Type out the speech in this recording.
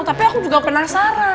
tapi aku juga penasaran